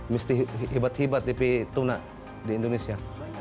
mesti hebat hebat di tuna di indonesia